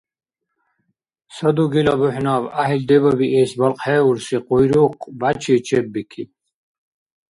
Ца дугила бухӀнаб гӀяхӀил дебабиэс балкьхӀеурси къуйрукъ, бячи, чеббикиб.